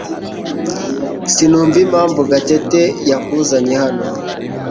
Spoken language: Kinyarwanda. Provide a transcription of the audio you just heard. Sinumva impamvu Gatete yakuzanye hano